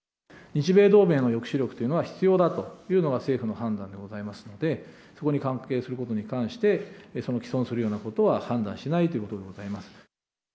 日米同盟の抑止力というのは必要だというのが、政府の判断でございますので、そこに関係することに関して、毀損するようなことは判断しないということでございます。